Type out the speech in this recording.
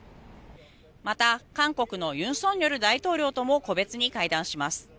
また、韓国の尹錫悦大統領とも個別に会談します。